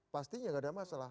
pastinya enggak ada masalah